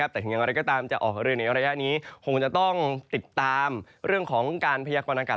แต่อย่างไรก็ตามจะออกเรือในระยะนี้คงจะต้องติดตามเรื่องของการพยากรณากาศ